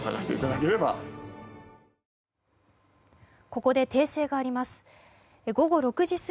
ここで訂正があります。